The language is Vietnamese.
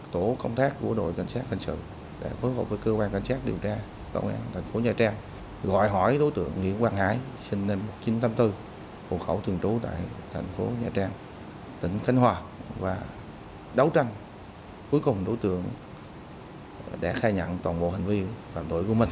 tổ công tác của đội cảnh sát hình sự đã phối hợp với cơ quan cảnh sát điều tra công an thành phố nha trang gọi hỏi đối tượng nguyễn quang hải sinh năm một nghìn chín trăm tám mươi bốn hộ khẩu thường trú tại thành phố nha trang tỉnh khánh hòa và đấu tranh cuối cùng đối tượng đã khai nhận toàn bộ hành vi phạm tội của mình